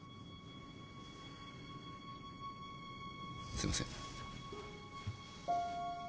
すいません。